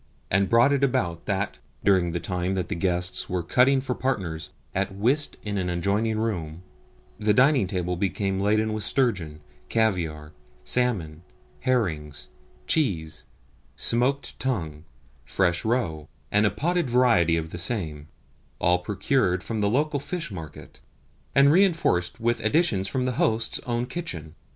and brought it about that, during the time that the guests were cutting for partners at whist in an adjoining room, the dining table became laden with sturgeon, caviare, salmon, herrings, cheese, smoked tongue, fresh roe, and a potted variety of the same all procured from the local fish market, and reinforced with additions from the host's own kitchen.